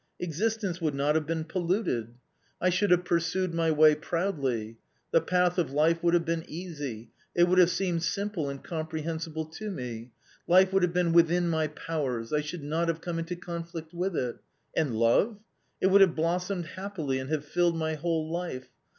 Existence would not hav« been polluted. I tamm A COMMON STORY 201 should have pursued my way proudly ; the path of life would have been easy : it would have seemed simple and comprehensible to me ; life would have been within my powers : I should not have come into conflict with it. And love ? It would have blossomed happily and have filled my whole life.